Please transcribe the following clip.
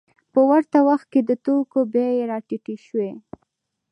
په ورته وخت کې د توکو بیې راټیټې شوې